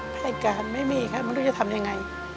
แผนการไม่มีค่ะไม่รู้จะทำยังไง